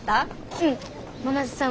うん！